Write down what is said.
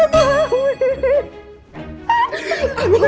kamu hamil beb